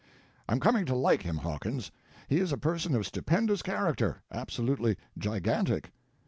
"I'm coming to like him, Hawkins. He is a person of stupendous character—absolutely gigantic.